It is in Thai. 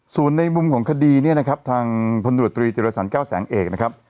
ซูญในมุมของคดีเนี่ยนะครับทางผลโรท๓จิริฐฐานแก้วแสงเอกนะครับ